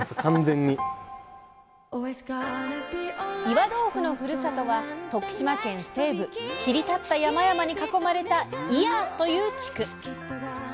岩豆腐のふるさとは徳島県西部切り立った山々に囲まれた祖谷という地区。